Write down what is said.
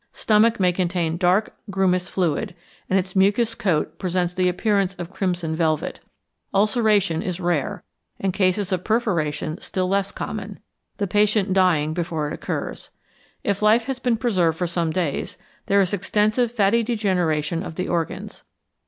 Stomach may contain dark grumous fluid, and its mucous coat presents the appearance of crimson velvet. Ulceration is rare, and cases of perforation still less common, the patient dying before it occurs. If life has been preserved for some days, there is extensive fatty degeneration of the organs.